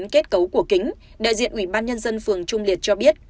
kết cấu của kính đại diện ủy ban nhân dân phường trung liệt cho biết